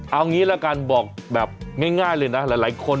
เอางี้ละกันบอกแบบง่ายเลยนะหลายคน